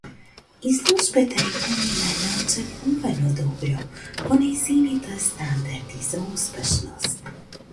Изложбата ѝ помина неочекувано добро, по нејзините стандарди за успешност.